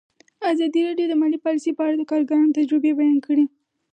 ازادي راډیو د مالي پالیسي په اړه د کارګرانو تجربې بیان کړي.